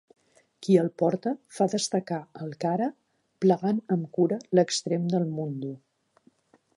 Qui el porta fa destacar el "kara" plegant amb cura l'extrem del mundu.